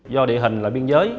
do địa hình là biên giới